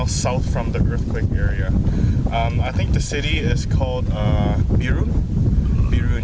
saya rasa kota ini disebut biren